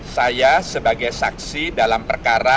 saya sebagai saksi dalam perkara